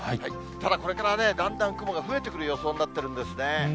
ただ、これからね、だんだん雲が増えてくる予想になってるんですね。